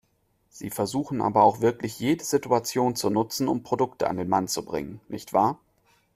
Sie versuchen aber auch wirklich jede Situation zu nutzen, um Produkte an den Mann zu bringen, nicht wahr?